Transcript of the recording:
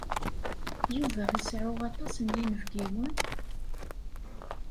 Yuba iseɛɛu aṭas n yinebgiwen?